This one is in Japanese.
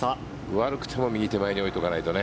悪くても右手前に置いておかないと。